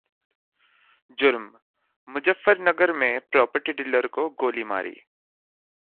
जुर्मः मुजफ्फरगनर में property dealer को गोली मारी